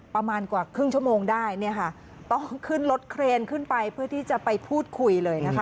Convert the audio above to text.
ประมาณกว่าครึ่งชั่วโมงได้เนี่ยค่ะต้องขึ้นรถเครนขึ้นไปเพื่อที่จะไปพูดคุยเลยนะคะ